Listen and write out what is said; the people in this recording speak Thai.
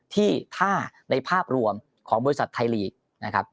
ที่ถ้าในภาพรวมของบริษัทไทยลีกนะครับ